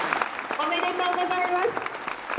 おめでとうございます。